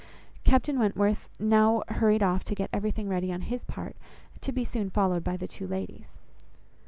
Captain Wentworth now hurried off to get everything ready on his part, and to be soon followed by the two ladies.